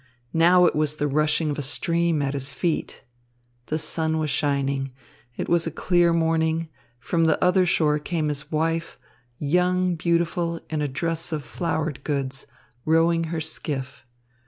Now it was the rushing of a stream at his feet. The sun was shining. It was a clear morning. From the other shore came his wife, young, beautiful, in a dress of flowered goods, rowing her skiff.